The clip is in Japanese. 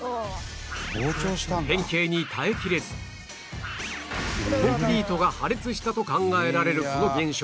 変形に耐えきれずコンクリートが破裂したと考えられるこの現象